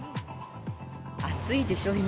暑いでしょう、今。